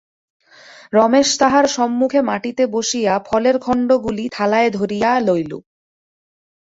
রমেশ তাহার সম্মুখে মাটিতে বসিয়া ফলের খণ্ডগুলি থালায় ধরিয়া লইল।